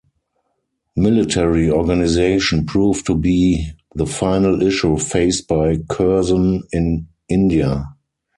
Military organisation proved to be the final issue faced by Curzon in India.